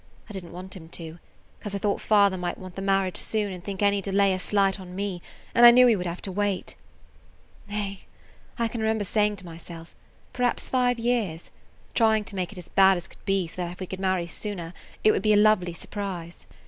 I did n't want him to, [Page 100] because I thought father might want the marriage soon and think any delay a slight on me, and I knew we would have to wait. Eh! I can remember saying to myself, 'Perhaps five years,' trying to make it as bad as could be so that if we could marry sooner it would be a lovely surprise."